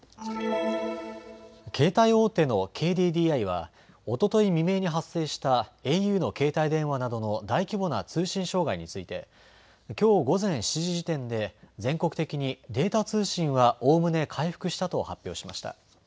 携帯大手のＫＤＤＩはおととい未明に発生したａｕの携帯電話などの大規模な通信障害についてきょう午前７時時点で全国的にデータ通信はおおむね回復したと発表しました。